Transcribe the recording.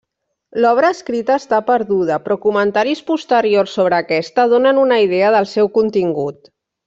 L'obra escrita està perduda, però comentaris posteriors sobre aquesta, donen una idea del seu contingut.